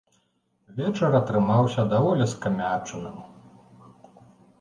Вечар атрымаўся даволі скамячаным.